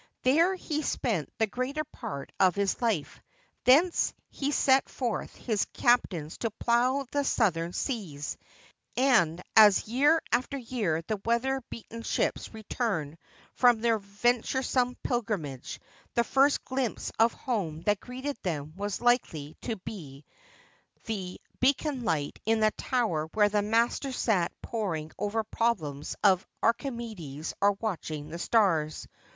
There he spent the greater part of his life ; thence he sent forth his captains to plough the south ern seas; and as year after year the weather beaten ships returned from their venturesome pilgrimage, the first glimpse of home that greeted them was Ukely to be the 585 PORTUGAL beacon light in the tower where the master sat poring over problems of Archimedes or watching the stars.